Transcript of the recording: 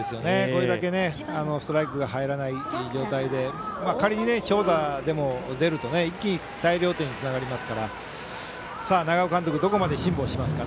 これだけストライクが入らない状態で仮に長打でも出ると一気に大量点につながりますから長尾監督、どこまで辛抱しますか。